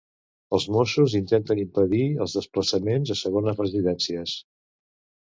Els Mossos intenten impedir els desplaçaments a segones residències.